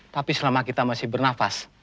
tapi selama kita masih bernafas